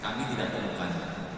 kami akan membuat penyelidikan